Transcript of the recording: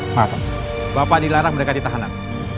maaf bapak dilarang berdekat di tahanan